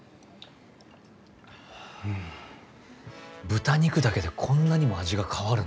豚肉だけでこんなにも味が変わるんだな。